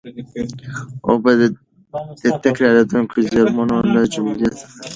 اوبه د تکرارېدونکو زېرمونو له جملې څخه دي.